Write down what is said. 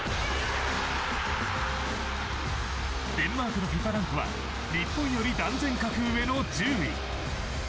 デンマークのＦＩＦＡランクは日本より断然格上の１０位。